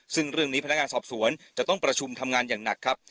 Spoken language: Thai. ซึ่งเรื่องนี้พนักงานสอบสวนจะต้องประชุมทำงานอย่างหนักครับ